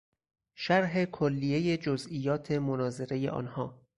شرح کلیهی جزئیات مناظره آنها